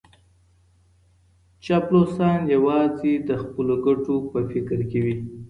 چاپلوسان یوازې د خپلو ګټو په فکر کي وي.